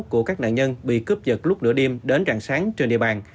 của các nạn nhân bị cướp giật lúc nửa đêm đến rạng sáng trên địa bàn